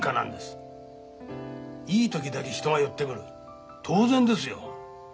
いい時だけ人が寄ってくる当然ですよ。